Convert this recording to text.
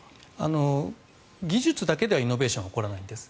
技術だけではイノベーションは起こらないんです。